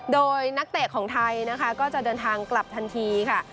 โดยนักเตะของไทยนะคะก็จะเดินทางกลับทันทีค่ะ